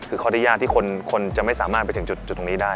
คือเขาได้ยากที่คนจะไม่สามารถไปถึงจุดตรงนี้ได้